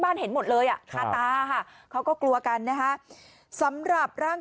บ้านเห็นหมดเลยยาม่ะค่ะฮ่ะเขาก็กลัวกันนะฮะสำหรับร่าง